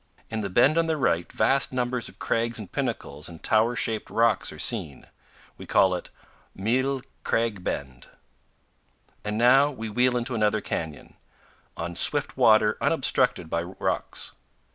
In the bend on the right vast numbers of crags and pinnacles and tower shaped rocks are seen. We call it Mille Crag Bend. And now we wheel into another canyon, on swift water unobstructed by rocks.